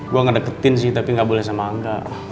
gue ngedeketin sih tapi gak boleh sama angga